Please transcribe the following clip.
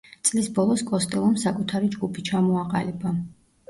წლის ბოლოს კოსტელომ საკუთარი ჯგუფი ჩამოაყალიბა.